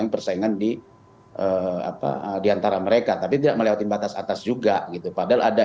persaingan di apa diantara mereka tapi tidak melewati batas atas juga gitu padahal ada